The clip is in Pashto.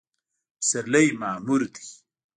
پسرلی معمور دی